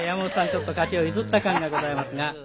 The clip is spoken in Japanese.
ちょっと勝ちを譲った感がございますが。